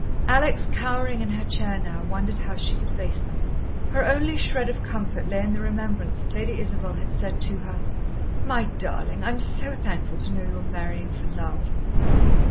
Alex, cowering in her chair now, wondered how she could face them. Her only shred of comfort lay in the remembrance that Lady Isabel had said to her: "My darlin', I'm so thankful to know you are marrying for love."